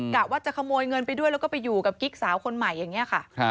อยากว่าจะขโมยเงินไปด้วยแล้วก็ไปอยู่กับกิ๊กสาวคนใหม่